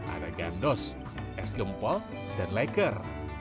ada gandos es gempol dan leker